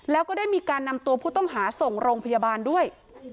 แล้วก็ได้มีการนำตัวผู้ต้องหาส่งโรงพยาบาลด้วย